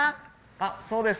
あっそうです。